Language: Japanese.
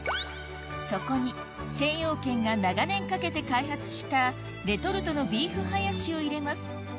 そこに精養軒が長年かけて開発したレトルトのビーフハヤシを入れます